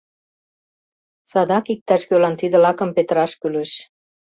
— Садак иктаж-кӧлан тиде лакым петыраш кӱлеш...